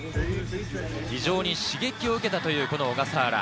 非常に刺激を受けたという小笠原。